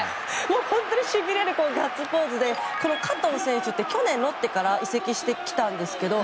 本当にしびれるガッツポーズで加藤選手って去年ロッテから移籍してきたんですけど